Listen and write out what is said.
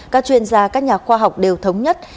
các chuyên gia các nhà khoa học đều thống nhất